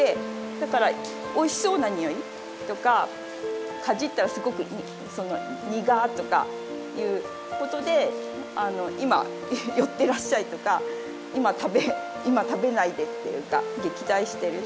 だからおいしそうなにおいとかかじったらすごく「にが」とかいうことで「今寄ってらっしゃい」とか「今食べないで」っていうか撃退してる。